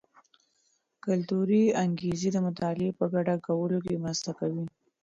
کلتوري انګیزې د مطالعې په ګډه کولو کې مرسته کوي.